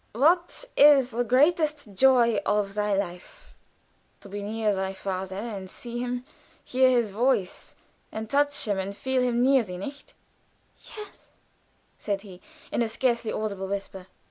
What is the greatest joy of thy life? To be near thy father and see him, hear his voice, and touch him, and feel him near thee; nicht?" "Yes," said he, in a scarcely audible whisper.